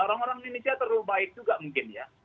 orang orang indonesia terlalu baik juga mungkin ya